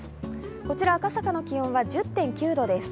こちら赤坂の気温は１０．９度です。